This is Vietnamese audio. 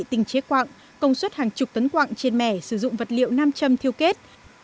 tình chế quặng công suất hàng chục tấn quạng trên mẻ sử dụng vật liệu nam châm thiêu kết